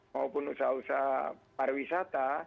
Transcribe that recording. maupun usaha usaha para wisata